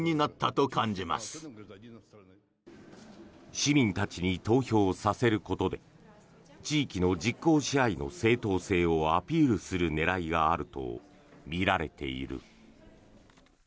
市民たちに投票させることで地域の実効支配の正当性をアピールする狙いがあるとみられている。